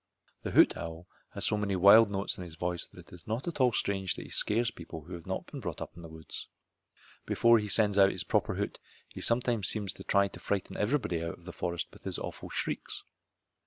The hoot owl has so many wild notes in his voice that it is not at all strange that he scares people who have not been brought up in the woods. Before he sends out his proper hoot he sometimes seems to try to frighten everybody out of the forest with his awful shrieks.